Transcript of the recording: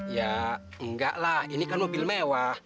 ya enggak lah ini kan mobil mewah